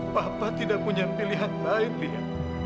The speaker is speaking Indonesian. papa tidak punya pilihan lain dia